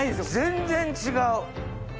全然違う。